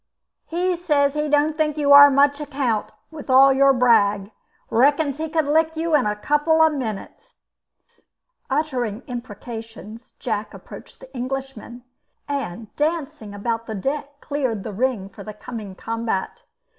"He says he don't think you are of much account with all your brag. Reckons he could lick you in a couple of minutes." Uttering imprecations, Jack approached the Englishman, and dancing about the deck, cleared the ring for the coming combat.